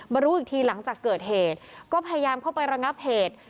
รู้อีกทีหลังจากเกิดเหตุก็พยายามเข้าไประงับเหตุ